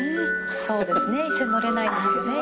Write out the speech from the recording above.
そうですね一緒に乗れないですよね。